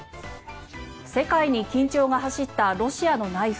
世界に緊張が走ったロシアの内紛。